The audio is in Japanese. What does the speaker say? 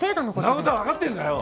んなことはわかってんだよ。